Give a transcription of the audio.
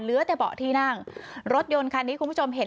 เหลือแต่เบาะที่นั่งรถยนต์คันนี้คุณผู้ชมเห็น